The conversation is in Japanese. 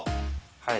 はい。